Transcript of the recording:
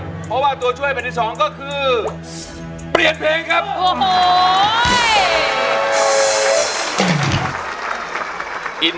เพราะว่าตัวช่วยเบตที่๒